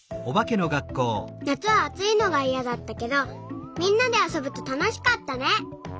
なつはあついのがいやだったけどみんなであそぶとたのしかったね。